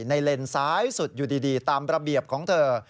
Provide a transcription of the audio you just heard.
เลนซ้ายสุดอยู่ดีตามระเบียบของเธอ